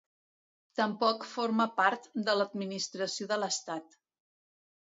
Tampoc forma part de l'Administració de l'Estat.